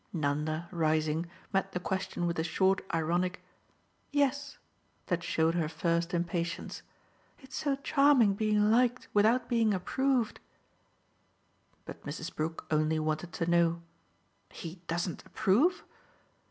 Nanda, rising, met the question with a short ironic "Yes!" that showed her first impatience. "It's so charming being liked without being approved." But Mrs. Brook only wanted to know. "He doesn't approve